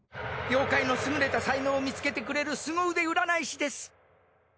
妖怪の優れた才能を見つけてくれるスゴ腕占い師です。